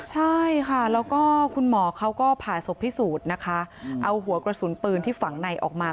ใช่ค่ะแล้วก็คุณหมอเขาก็ผ่าศพพิสูจน์นะคะเอาหัวกระสุนปืนที่ฝังในออกมา